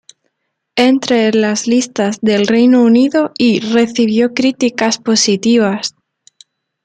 Entre en las listas del Reino Unido y recibió críticas positivas.